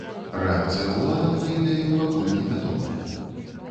Рэакцыя ўладаў на ідэю пакуль невядомая.